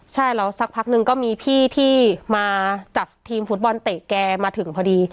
ใช่แล้วสักพักนึงก็มีพี่ที่มาจัดทีมฟุตบอลเตะแกมาถึงพอดี